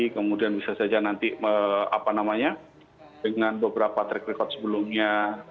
kemudian bisa saja nanti apa namanya dengan beberapa track record sebelumnya